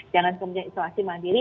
jangan semuanya isolasi mandiri